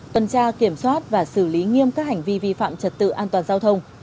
tuần tra kiểm soát và xử lý nghiêm các hành vi vi phạm trật tự an toàn giao thông